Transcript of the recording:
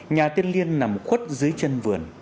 nhà tiên liên nằm khuất dưới chân vườn